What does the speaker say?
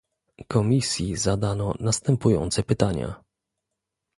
Komisji zadano następujące pytania